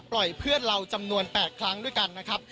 เพื่อนเราจำนวน๘ครั้งด้วยกันนะครับ